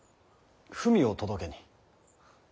文を届けに。